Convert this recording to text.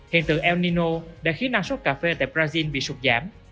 hiện tượng el nino đã khiến năng suất cà phê tại brazil bị sụt giảm